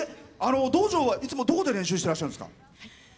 道場はいつもどこで練習してらっしゃるんですか？